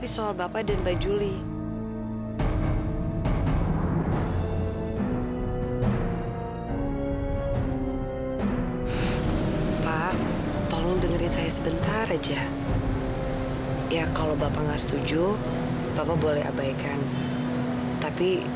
sampai jumpa di video selanjutnya